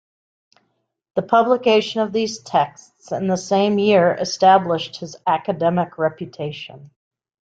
The publication of these texts in the same year established his academic reputation.